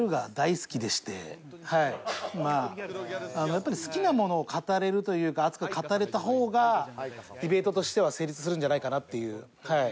やっぱり好きなものを語れるというか熱く語れた方がディベートとしては成立するんじゃないかなっていうはい。